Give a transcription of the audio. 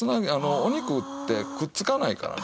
お肉ってくっつかないからね。